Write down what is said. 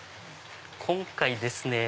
今回ですね